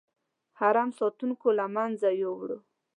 حرم ساتونکو له منځه یووړ.